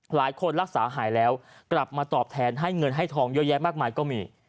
หลายคนรักษาหายแล้วกลับมาตอบแทนให้เงินให้ทองเยอะแยะมากมายก็มี